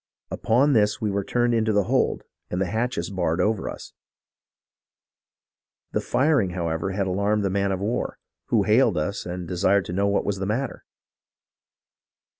Upon this, we were turned into the hold and the hatches barred over us. The firing, however, had alarmed the man of war, who hailed us and desired to know what was the matter.